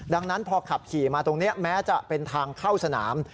ดังนั้นพอขับขี่มาตรงนี้แม้จะเป็นทางเข้าสนาม